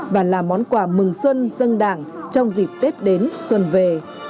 và là món quà mừng xuân dân đảng trong dịp tết đến xuân về